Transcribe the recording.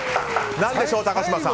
何でしょう、高嶋さん。